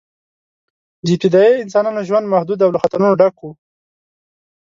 د ابتدایي انسانانو ژوند محدود او له خطرونو ډک و.